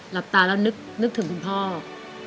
หลับตาแล้วนึกถึงคุณพ่อ